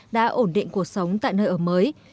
đã ổn định cuộc sống tại nơi ở mới